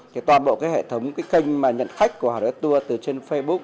thì toàn bộ cái hệ thống cái kênh mà nhận khách của hlt tour từ trên facebook